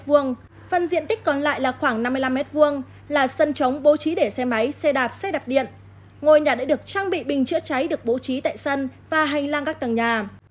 phần diện tích còn lại là khoảng năm mươi năm m hai là sân trống bố trí để xe máy xe đạp xe đạp điện ngôi nhà đã được trang bị bình chữa cháy được bố trí tại sân và hành lang các tầng nhà